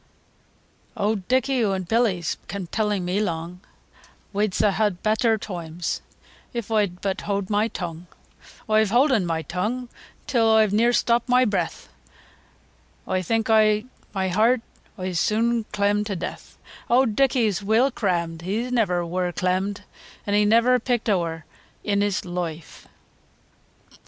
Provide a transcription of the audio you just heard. II. Owd Dicky o' Billy's kept telling me lung, Wee s'd ha' better toimes if I'd but howd my tung, Oi've howden my tung, till oi've near stopped my breath, Oi think i' my heeart oi'se soon clem to deeath, Owd Dicky's weel crammed, He never wur clemmed, An' he ne'er picked ower i' his loife.